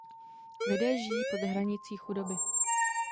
Lidé žijí pod hranicí chudoby.